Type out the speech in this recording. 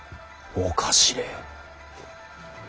おかしれぇ？